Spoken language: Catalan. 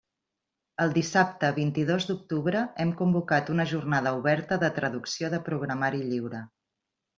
El dissabte vint-i-dos d'octubre hem convocat una Jornada oberta de traducció de programari lliure.